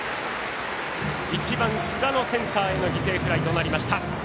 １番、津田のセンターへの犠牲フライとなりました。